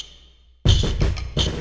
ini di sekitar